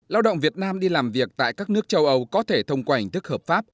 lao động việt nam đi làm việc tại các nước châu âu có thể thông qua hình thức hợp pháp